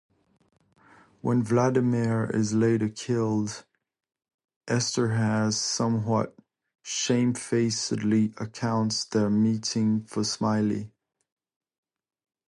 When Vladimir is later killed, Esterhase somewhat shamefacedly recounts their meeting to Smiley.